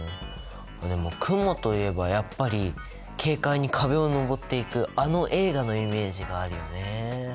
あっでもクモといえばやっぱり軽快に壁をのぼっていくあの映画のイメージがあるよね。